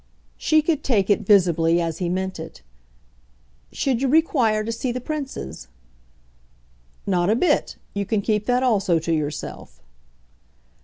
She could take it, visibly, as he meant it. "Should you require to see the Prince's?" "Not a bit. You can keep that also to yourself."